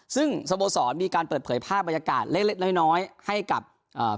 ซึ่งสโมสรมีการเปิดเผยภาพบรรยากาศเล็กเล็กน้อยน้อยให้กับอ่า